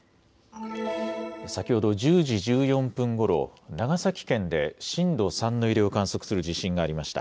先ほど１０時１４分ごろ、長崎県で震度３の揺れを観測する地震がありました。